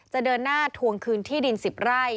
เดินหน้าทวงคืนที่ดิน๑๐ไร่